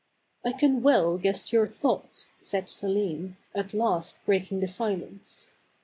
" I can well guess your thoughts," said Selim, at last breaking the silence.